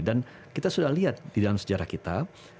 dan kita sudah lihat di dalam sejarah kita